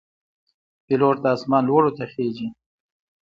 پیلوټ د آسمان لوړو ته خېژي.